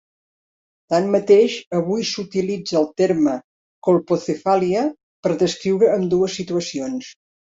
Tanmateix, avui s'utilitza el terme colpocefàlia per descriure ambdues situacions.